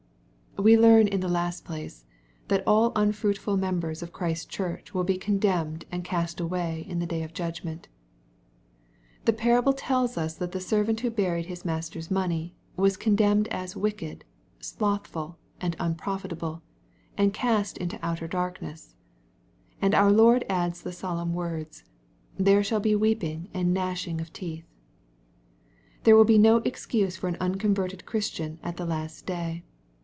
We learn in the last place, that all unfruitful mernbera of Ohrisfs Church will he condemned and cast away in the day of judgment. The parable tells us that the servant who buried his master's money, was condemned as '^ wicked,'* " slothful," and " unprofitable," and cast into outer darkness." And our Lord adds the solemn words, '^ there shall be weeping and gnashing of teeth." There will be no excuse for an unconverted Christian at the last day.